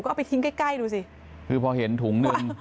ก็เอาไปทิ้งใกล้ใกล้ดูสิคือพอเห็นถุงหนึ่ง